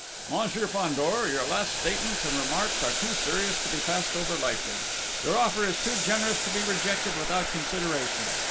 "Monsieur Fandor, your last statements and remarks are too serious to be passed over lightly. Your offer is too generous to be rejected without consideration.